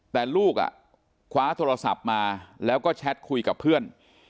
แต่ลูกคว้าโทรศัพท์มาแล้วก็แชทคุยกับเพื่อน